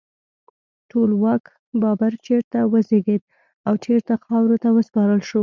ټولواک بابر چیرته وزیږید او چیرته خاورو ته وسپارل شو؟